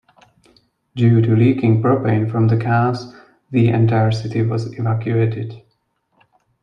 Due to leaking propane from the cars, the entire city was evacuated.